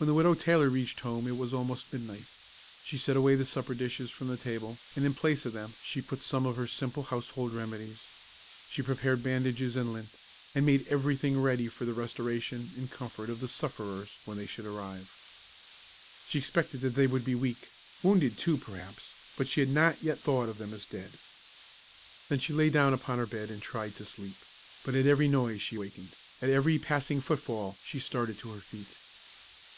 When the Widow Taylor reached home it was almost midnight. She set away the supper dishes from the table, and, in place of them, she put some of her simple household remedies. She prepared bandages and lint, and made every thing ready for the restoration and comfort of the sufferers when they should arrive. She expected that they would be weak, wounded, too, perhaps; but she had not yet thought of them as dead. Then she lay down upon her bed and tried to sleep; but at every noise she wakened; at every passing foot fall she started to her feet.